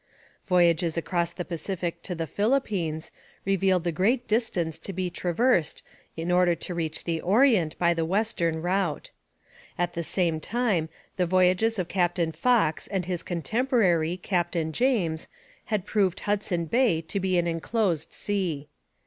Voyages across the Pacific to the Philippines revealed the great distance to be traversed in order to reach the Orient by the western route. At the same time the voyages of Captain Fox and his contemporary Captain James had proved Hudson Bay to be an enclosed sea.